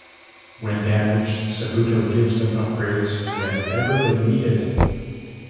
When damaged, Sabuto gives them upgrades whenever they need it.